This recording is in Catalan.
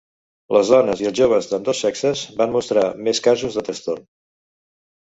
Les dones i els joves d'ambdós sexes van mostrar més casos de trastorn.